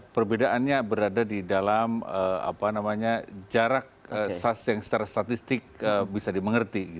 perbedaannya berada di dalam jarak yang secara statistik bisa dimengerti